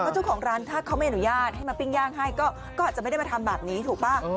เจ้าของร้านถ้าเขาไม่อนุญาตให้มาปิ้งย่างให้ก็อาจจะไม่ได้มาทำแบบนี้ถูกป่ะ